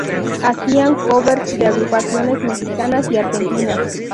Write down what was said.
Hacían covers de agrupaciones mexicanas y argentinas.